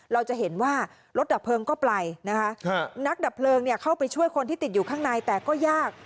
เราจะเห็นว่ารถดับเพลิงก็ไปนะคะนักดับเพลิงเนี่ยเข้าไปช่วยคนที่ติดอยู่ข้างในแต่ก็ยาก